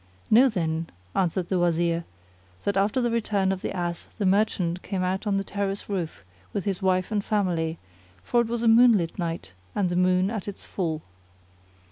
"Know then, answered the Wazir, that after the return of the Ass the merchant came out on the terrace roof with his wife and family, for it was a moonlit night and the moon at its full.